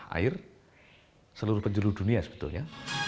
air seluruh penjuru dunia sebetulnya